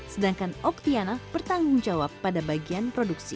sedangkan oktiana bertanggung jawab pada bagian produksi